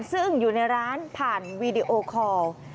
ซึ่งอยู่ในร้านผ่านวีดีโอคอล